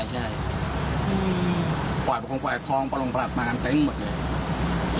ปล่อยประคังป๋องกับหายครองปลงประหลาดน้องอาหารตัวเองหมดเลย